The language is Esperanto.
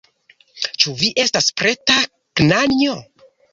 Ĉu vi estas preta, knanjo?